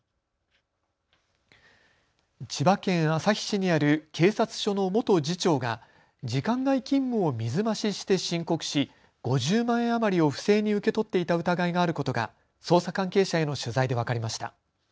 千葉県旭市にある警察署の元次長が時間外勤務を水増しして申告し５０万円余りを不正に受け取っていた疑いがあることが捜査関係者への取材で分かりました。